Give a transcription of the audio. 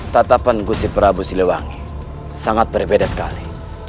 tatapan gusi prabu siliwangi sangat berbeda sekali